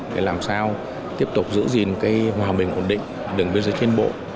để làm sao tiếp tục giữ gìn cái hòa bình ổn định đường biên giới trên bộ